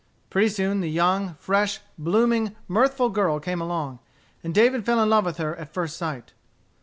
Pretty soon the young, fresh, blooming, mirthful girl came along; and David fell in love with her at first sight.